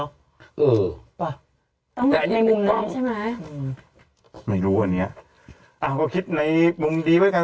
เออป่ะแต่อันนี้เป็นกล้องไม่รู้อันเนี้ยอ่าก็คิดในมุมดีไว้กัน